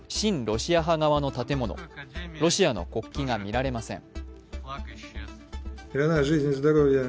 ロシア派側の建物、ロシアの国旗が見られません。